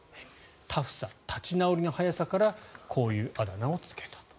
タフさ、立ち直りの早さからこういうあだ名をつけたと。